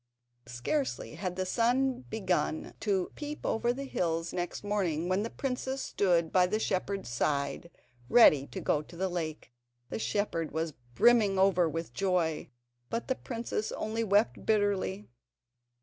Scarcely had the sun begun to peep over the hills next morning, when the princess stood by the shepherd's side, ready to go to the lake. The shepherd was brimming over with joy, but the princess only wept bitterly.